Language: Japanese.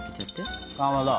かまど！